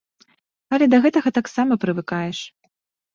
Але да гэтага таксама прывыкаеш.